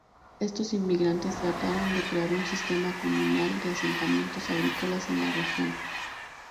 Estos inmigrantes trataron de crear un sistema comunal de asentamientos agrícolas en la región.